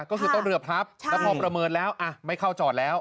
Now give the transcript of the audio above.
ก็คือต้นเรือพลับแล้วพอประเมินแล้วไม่เข้าจอดแล้ว